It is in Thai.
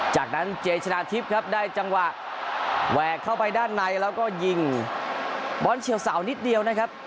จากนั้นเจชนะทิพย์ครับได้จังหวะแหวกเข้าไปด้านในแล้วก็ยิงบอลเฉียวเสานิดเดียวนะครับ